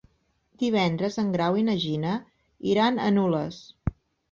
Divendres en Grau i na Gina iran a Nules.